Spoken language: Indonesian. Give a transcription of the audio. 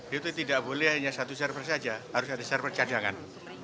itu tidak boleh hanya satu server saja harus ada server cadangan